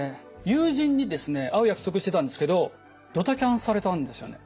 友人にですね会う約束してたんですけどドタキャンされたんですよね。